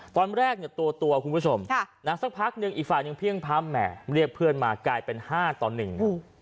ตอนแรกเนี่ยตัวตัวคุณผู้ชมค่ะแล้วสักพักหนึ่งอีกฝั่งยังเพียงพร้อมแหมมันเรียกเพื่อนมากลายเป็นห้าตอนหนึ่ง